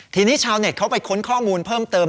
ทีนี้ชาวเน็ตเขาไปค้นข้อมูลเพิ่มเติม